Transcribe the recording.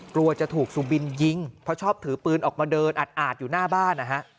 กลัวจะถูกสุบินยิงเพราะชอบถือปืนออกมาเดินอาดอยู่หน้าบ้านนะฮะ